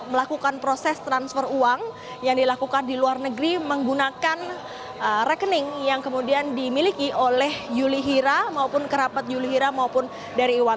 melakukan proses transfer uang yang dilakukan di luar negeri menggunakan rekening yang kemudian dimiliki oleh yuli hira maupun kerapat yulihira maupun dari iwan